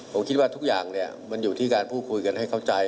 ผมคิดว่าทุกอย่างมันอยู่ที่การพูดคุยกันให้เข้าใจ